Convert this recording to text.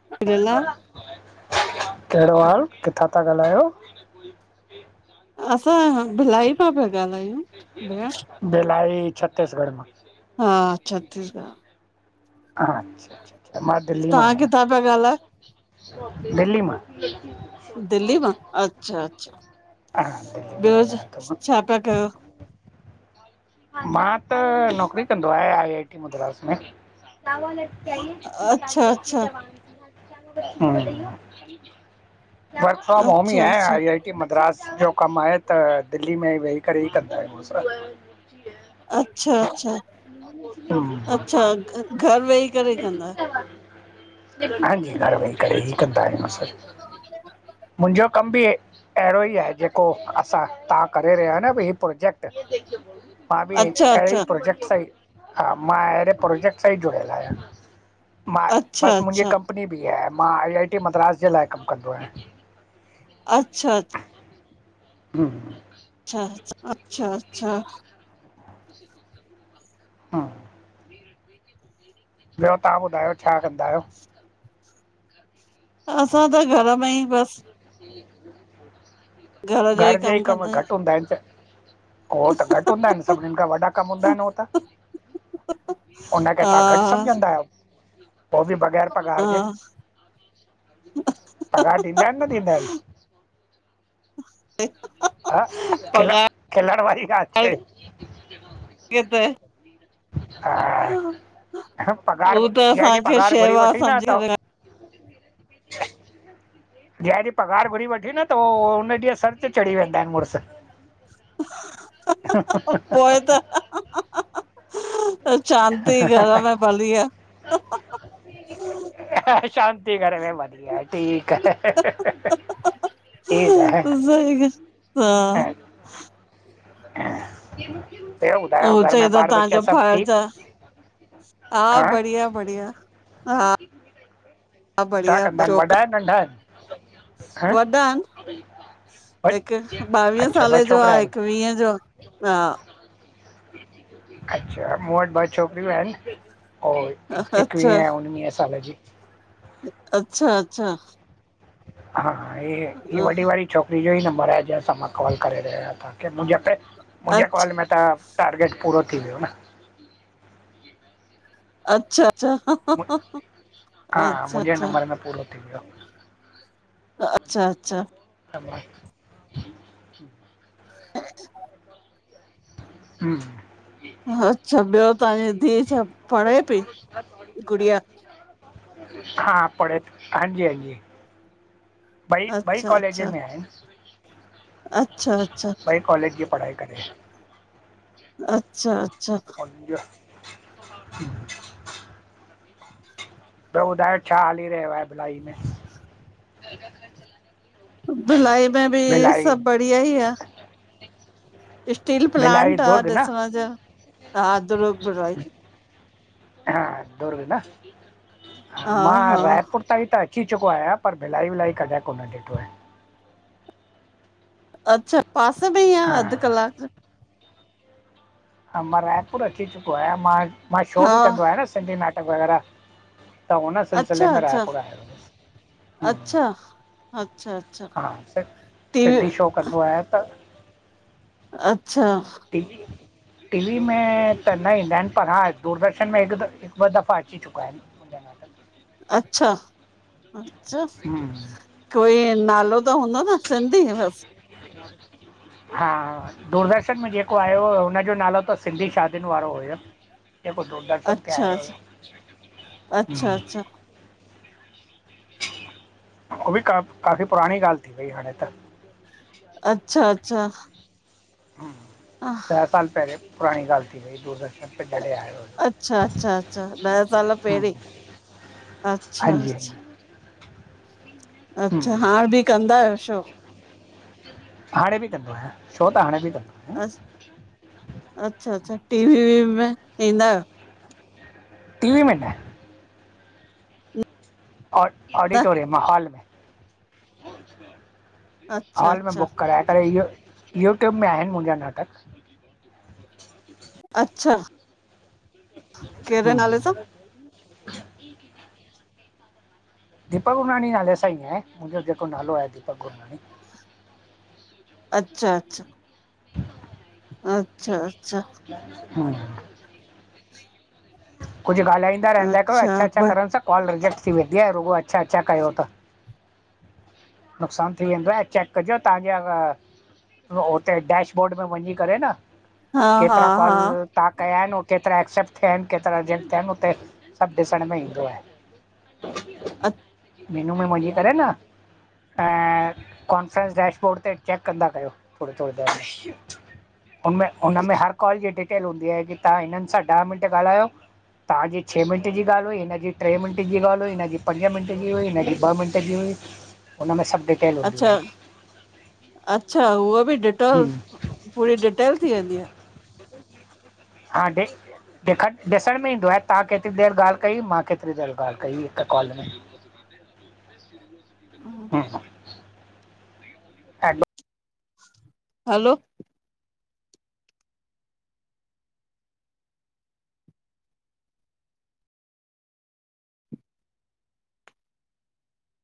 [unintelligible] [unintelligible] कहिड़ो हाल? किथां था ॻाल्हायो? असां भिलाई मां पिया ॻाल्हायूं, भेण। भिलाई, छत्तीसगढ़ मां। हा, छत्तीसगढ़। हा अच्छा अच्छा। मां दिल्ली मां तव्हां किथां आहियां पिया ॻाल्हायो? दिल्ली मां। दिल्ली मां? अच्छा अच्छा, हा दिल्ली मां ॿियो ॻाल्हायां थो छा पिया कयो? मां त, नौकिरी कंदो आहियां आई आई टी मद्रास में। हम्म। अच्छा अच्छा वर्क फ्रॉम होम ई अच्छा आहे, अच्छा आई आई ही मद्रास जो कमु आहे त, दिल्ली में ई वेही करे ई कंदा आहियूं असां। अच्छा। अच्छा [unintelligible] अच्छा घर वेही करे कंदा े [unintelligible] मुंहिंजो कम बि अहिड़ो ई आहे, जेको असां तव्हां करे रहिया आहियो न अभी ही प्रोजेक्ट। मां बि अच्छा अहिड़े अच्छा प्रोजेक्ट सां ई, हा मां अहिड़े प्रोजेक्ट सां ई जुड़ियल आहियां। मां, अच्छा बस मुंहिंजी अच्छा कंपनी ॿी आहे। मां आई आई टी मद्रास जे लाइ कमु कंदो आहियां। अच्छा हम्म। अच्छा अ अच्छा अच्छा। [inaudible] हा। ॿियो तव्हां ॿुधायो छा कंदा आहियो? असां त घर में ई बस जो घर जे ई कमु कम कंदा घटि हूंदा आहिनि छा? हो त घटि हूंदा आहिनि? आहियूं सभनिनि खां वॾा कमु हूंदा आहिनि हो त। हुन खे तव्हां घटि हा सम्झंदा आहियो? पो बि बग़ैर पघार जे। पघार ॾींदा हा आहिनि न ॾिंदा आहिन। ह खिलण, पघार खिलण वारी ॻाल्ह चय। [unintelligible] हा पगार उ त जंहिं ॾींहुं असांखे पगार घुरी शेवा वठी न समझी त करे [inaudible] जेंह ॾीह पघार घुरी वठी न त हुन ॾींहुं सर ते चढ़ी वेंदा आहिन मुरस ह ह‌ पोइ त ह शांती घर में भली आह। शांती घर में भली आहे ठीक आहे। ठीकु आहे [unintelligible] [unintelligible] उ घर में चए तो ॿार बच्चा तांहजो सभु फर्ज ठीकु आ। हा बढ़िया बढिया हा हा छा बढ़िया कंदा आहिनि वॾा छोक नंढा आहिन आहिन [unintelligible] ॿ हिक ॿावीहे अच्छा ॿ साले जो छोकिरा आह। हिक आहिनि वीहे जो हा अच्छा मूं वट ॿ छोकरियूं आहिन। और हा अच्छा ईकवींहे उणंवीहे साले जी अच्छा अच्छा हा हे वॾी वारी छोकरी जो ई नंबर आहे जंहिंसां मां कॉल करे रहियो आहियां तव्हांखेे अच्छा मुंहिंजे कॉल में त टारगेट पूरो थी वयो न। अच्छा अच्छा हा अच्छा अच्छा मुंहिंजे नंबर अच्छा में पूरो थी वियो अच्छा अच्छा [unintelligible] [inaudible] हूं अच्छा ॿियो तव्हांजी धीउ छा पढ़े पई गुड़िया? हा पड़े हांजी हांजी ॿई ॿई अच्छा कॉलेज अच्छा में आहिन अच्छा अच्छा कॉलेज जी पढ़ाई करे। अच्छा अच्छा [inaudible] ॿियो ॿुधायो छा हली रहियो आहे भिलाई में? भिलाई में बी भिलाई सभ बढ़िया ई आह। स्टील भिलाई प्लांट आह दुर्ग न ॾिसण जो [unintelligible] हा दुर्ग न हा मां हा रायपुर तताईं त अी चुको आहियां पर भिलाई विलाई कॾहिं कोन ॾिठो आहे। अच्छा पासे में ई आह अध हा कलाक हा मां रायपुर अची चुको आहियां मां मां शो हा बि कंदो आहियां न सिंधी नाटक वग़ैरह। त हुन अच्छा सिलसिले में अच्छा रायपुर आयो हुयुसि हम्म, अच्छा अच्छा अ हा सि सिंधी शो कंदो आहियां त अच्छा। टे [unintelligible] टीवी में त न ईंदा आहिनि पर हा दूरदर्शन में हिकु हिकु ॿ दफ़ा अची चुका आहिनि। मुंहिंजा नाटक अच्छा अच्छा। हम्म, कोई इयं नालो त हूंदो न सिंधी बसि। हा। दूरदर्शन में जेको आयो हो, हुनजो नालो त सिंधी शादियुनि वारो हुयो। जेको दूरदर्शन ते अच्छा आयो अच्छा अच्छा हुयो। उहो बि का काफ़ी पुराणी ॻाल्हि थी वई हाणे त। अच्छा अच्छा। अच्छा हम्म ॾह साल पहिले पुराणी ॻाल थी वई दूरदर्शन पहले आयो हो। अच्छा अच्छा अच्छा ॾह साल पहिरीं अच्छा अच्छा अच्छा, हम्म हाण बि कंदा आहियो शो? हाणे बि कंदो आहियां। शो त हाणे बि कंदो आहियां। अच्छा, अच्छा टीवी वीवी में ईंदा आहियो? टीवी में न। न? ऑडिटोरियम मां हॉल, अच्छा हॉल में अच्छा बुक कराए करे इयो, यूट्यूब में आहिनि मुंहिंजा नाटक। अच्छा, कहिड़ेे नाले सां? हम्म दीपक गुरनानी नाले सां ई आहे, मुंहिंजो जेको नालो आहे, दीपक गुरनानी।। अच्छा अच्छा [inaudible] अच्छा अच्छा हा कुछ ॻाल्हाईंदा रहंदा कयो। अच्छा अच्छा करण सां, कॉल रिजेक्ट थी वेंदी आहे, रुॻो अच्छा अच्छा कयो त। नुक़सानु थी वेंदो आहे, ऐं चैक कजो तव्हांखे अगरि उते डैशबोर्ड में वञी करे न, हा हा केतिरा कॉल हा तव्हां कया आहिनि, ऐं केतिरा एक्सेप्ट थिया आहिनि, केतिरा रिजेक्ट थिया आहिनि, हुते सभु ॾिसण में ईंदो आहे। अ मेनू में वञी करे न ऐं, कॉन्फ्रेंस डैशबोर्ड ते चैक कंदा कयो, थोड़ी-थोड़ी देरि में। हुनमें, हुनमें हर कॉल जी डिटेल हूंदी आहे कि तव्हां हिननि सां ॾह मिंट ॻाल्हायो तव्हांजी छह मिंट जी ॻाल्हि हुई, हिनजी टे मिंट जी ॻाल्हि हुई, हिनजी पंज मिन्ट जी हुई हिनजी ॿ मिंट जी हुई हुनमें सब डिट अच्छा, अच्छा हूअ बि डि त, हम्म पूरी डिटेल थी वेंदी आ। काॾे? ॾिखण, ॾिसण में ईंदो आहे तव्हां केतिरी देरि ॻाल्हि कई? मां केतिरी देर ॻाल्हि कई हिकु कॉल में? [inaudible] हूं हलो